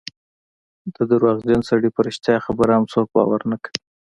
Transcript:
د درواغجن سړي په رښتیا خبره هم څوک باور نه کوي.